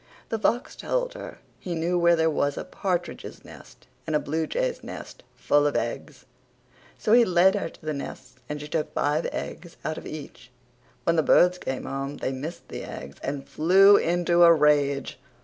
The fox told her he knew where there was a partridges nest and a bluejays nest full of eggs. So he led her to the nests and she took five eggs out of each. When the birds came home they missed the eggs and flew into a rage.